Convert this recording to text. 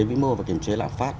vì mô và kiểm chế lạm phát